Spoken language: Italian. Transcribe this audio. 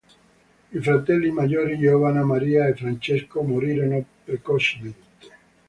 I fratelli maggiori Giovanna Maria e Francesco morirono precocemente.